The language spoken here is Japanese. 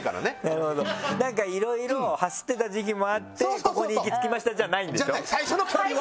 なるほど「なんかいろいろハスってた時期もあってここに行き着きました」じゃないんでしょ？